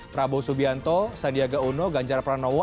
prabowo subianto sandiaga uno ganjarapra nowo